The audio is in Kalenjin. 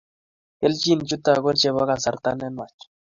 keljin chuto ko Chebo kasarta ne nwach